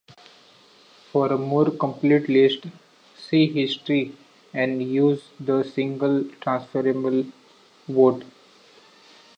For a more complete list, see "History and use of the single transferable vote".